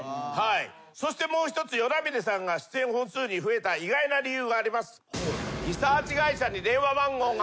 そしてもう一つ與那嶺さんが出演本数が増えた意外な理由があります。